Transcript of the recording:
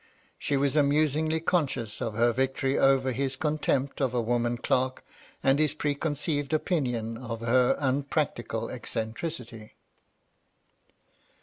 She was amusingly conscious of her victory over his con tempt of a woman clerk and his preconceived opinion of her unpractical eccentricity.